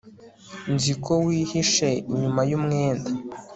nzi ko wihishe inyuma yumwenda